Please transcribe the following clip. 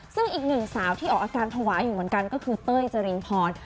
ซึ่งอีกหนึ่งสาวที่ออกอาการภาวะอยู่เหมือนกันก็คือเต้ยเจรินพร